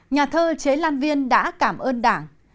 nhà thơ chế lan viên đã cảm ơn đảng